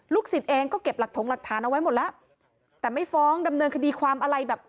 สิทธิ์เองก็เก็บหลักถงหลักฐานเอาไว้หมดแล้วแต่ไม่ฟ้องดำเนินคดีความอะไรแบบ